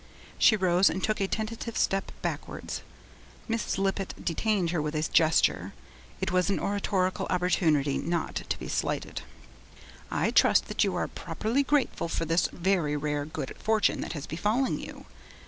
She rose and took a tentative step backwards. Mrs. Lippett detained her with a gesture; it was an oratorical opportunity not to be slighted. 'I trust that you are properly grateful for this very rare good fortune that has befallen you?